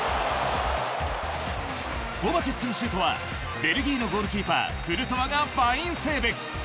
コヴァチッチのシュートはベルギーのゴールキーパークルトワがファインセーブ。